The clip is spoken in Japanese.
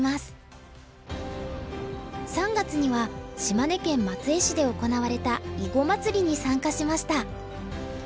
３月には島根県松江市で行われた囲碁まつりに参加しました。